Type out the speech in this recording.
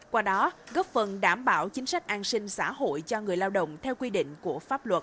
qua đó góp phần đảm bảo chính sách an sinh xã hội cho người lao động theo quy định của pháp luật